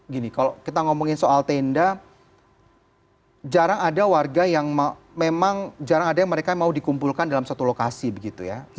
gini kalau kita ngomongin soal tenda jarang ada warga yang memang jarang ada yang mereka mau dikumpulkan dalam satu lokasi begitu ya